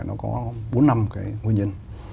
nó có bốn năm cái nguyên nhân